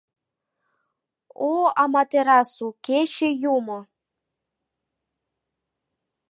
«О, Аматерасу — кече юмо!